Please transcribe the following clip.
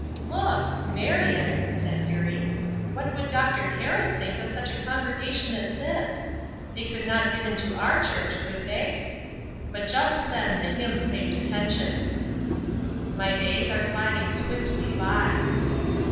"Look! Marion," said Eurie. "What would Dr. Harris think of such a congregation as this! They could not get into our church, could they?" But just then the hymn claimed attention: "My days are gliding swiftly by."